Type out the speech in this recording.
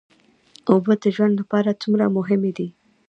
اوبه د ژوند لپاره څومره مهمې دي